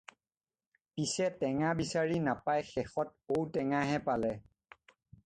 পিছে টেঙা বিচাৰি নাপাই শেষত ঔ টেঙা হে পালে।